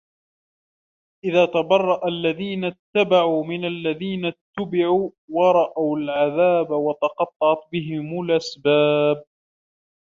إذ تبرأ الذين اتبعوا من الذين اتبعوا ورأوا العذاب وتقطعت بهم الأسباب